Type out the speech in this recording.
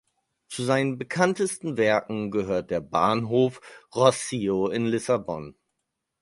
Zu seinen bekanntesten Werken gehört der Bahnhof Rossio in Lissabon.